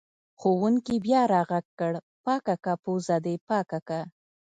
ښوونکي بیا راغږ کړ: پاکه که پوزه دې پاکه که!